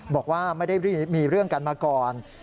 บอกว่าไม่ได้มีเรื่องกันมาก่อน